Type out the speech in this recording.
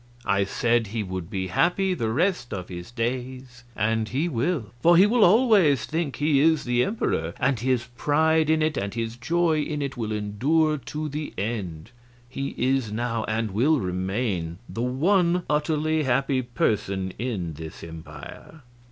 I said he would be happy the rest of his days, and he will, for he will always think he is the Emperor, and his pride in it and his joy in it will endure to the end. He is now, and will remain, the one utterly happy person in this empire."